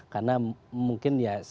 karena mungkin ya